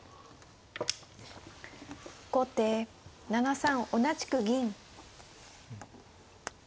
後手７三同じく銀。